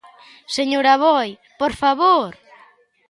Señor Aboi, ¡por favor!